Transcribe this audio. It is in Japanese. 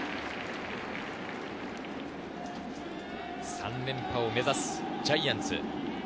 ３連覇を目指すジャイアンツ。